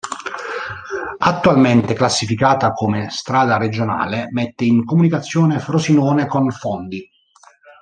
Attualmente classificata come strada regionale, mette in comunicazione Frosinone con Fondi.